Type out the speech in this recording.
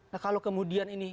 nah kalau kemudian ini